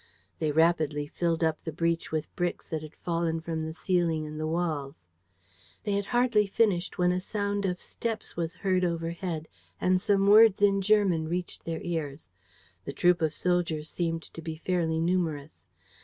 They rapidly filled up the breach with bricks that had fallen from the ceiling and the walls. They had hardly finished when a sound of steps was heard overhead and some words in German reached their ears. The troop of soldiers seemed to be fairly numerous.